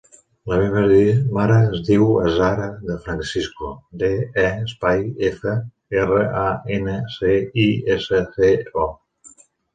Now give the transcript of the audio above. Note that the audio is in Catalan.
La meva mare es diu Azahara De Francisco: de, e, espai, efa, erra, a, ena, ce, i, essa, ce, o.